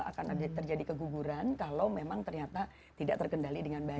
akan ada terjadi keguguran kalau memang ternyata tidak terkendali dengan baik